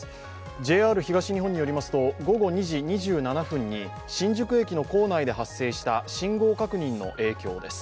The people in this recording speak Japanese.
ＪＲ東日本によりますと午後２時２７分に新宿駅の構内で発生した信号確認の影響です。